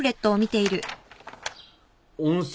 温泉？